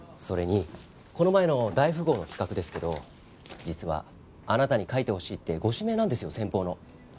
それにこの前の大富豪の企画ですけど実はあなたに書いてほしいってご指名なんですよ先方の。